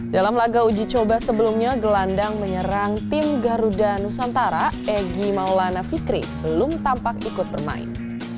dalam laga uji coba sebelumnya gelandang menyerang tim garuda nusantara egy maulana fikri belum tampak ikut bermain